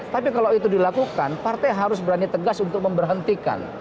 tapi kalau itu dilakukan partai harus berani tegas untuk memberhentikan